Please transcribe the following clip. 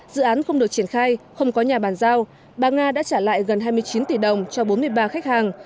dự án không được triển khai không có nhà bàn giao bà nga đã trả lại gần hai mươi chín tỷ đồng cho bốn mươi ba khách hàng